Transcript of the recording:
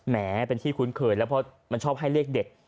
แหมเป็นที่คุ้นเขินแล้วพอมันชอบให้เลขเด็ด